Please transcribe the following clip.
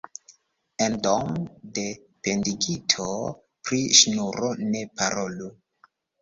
En dom' de pendigito pri ŝnuro ne parolu.